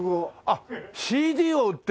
あっＣＤを売ってる？